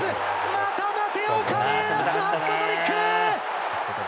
またマテオ・カレーラス、ハットトリック！